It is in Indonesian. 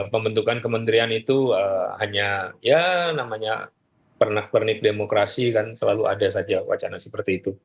pembentukan kementerian itu hanya ya namanya pernak pernik demokrasi kan selalu ada saja wacana seperti itu